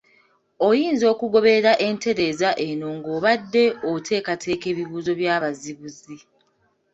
Oyinza okugoberera entereeza eno ng’obadde oteekateeka ebibuuzo by’abazibuzi